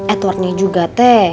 edwardnya juga teh